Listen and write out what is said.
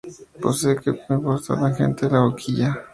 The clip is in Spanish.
Posee imposta tangente a la boquilla.